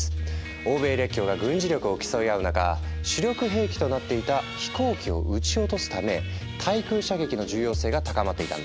欧米列強が軍事力を競い合う中主力兵器となっていた飛行機を撃ち落とすため対空射撃の重要性が高まっていたんだ。